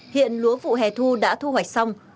hiện lúa vụ hè thu đã thu hoạch xong